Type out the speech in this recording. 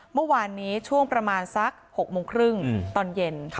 เมื่อวานนี้ช่วงประมาณสัก๖โมงครึ่งตอนเย็น